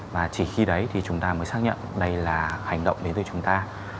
và chỉ khi đấy thì chúng ta mới xác nhận đây là hành động đến từ chúng ta